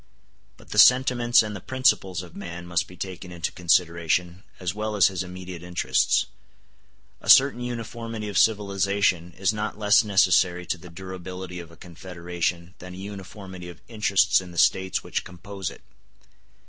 But the sentiments and the principles of man must be taken into consideration as well as his immediate interests. A certain uniformity of civilization is not less necessary to the durability of a confederation than a uniformity of interests in the States which compose it.